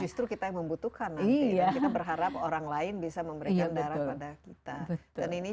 justru kita yang membutuhkan nanti dan kita berharap orang lain bisa memberikan darah pada kita dan ini